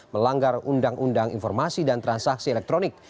melanggar undang undang informasi dan transaksi elektronik